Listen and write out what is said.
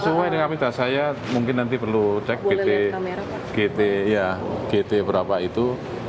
sesuai dengan mita saya mungkin nanti perlu cek berapa itu